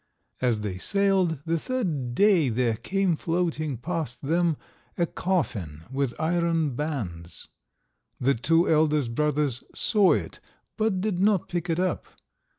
As they sailed, the third day there came floating past them a coffin with iron bands. The two eldest brothers saw it, but did not pick it up.